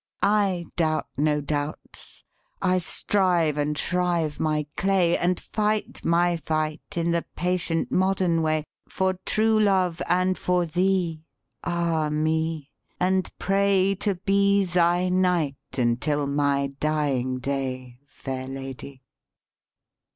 "'I doubt no doubts: I strive and shrive my clay, And fight my fight in the patient, modern way For true love and for thee ah me! and pray To be thy knight until my dying day, Fair Lady.'